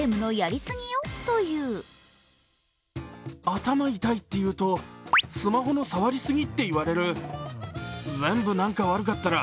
頭痛いと言うと、スマホの触りすぎって言われる。